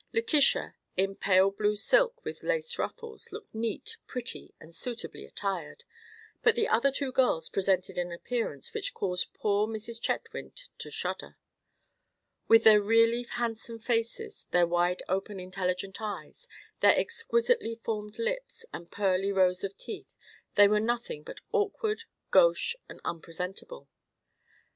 Letitia, in pale blue silk with lace ruffles, looked neat, pretty, and suitably attired; but the other two girls presented an appearance which caused poor Mrs. Chetwynd to shudder. With their really handsome faces, their wide open intelligent eyes, their exquisitely formed lips, and pearly rows of teeth, they were nothing but awkward, gauche, and unpresentable.